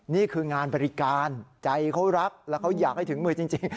นี่คืองานบริการใจเขารักแล้วเขาอยากให้ถึงมือจริง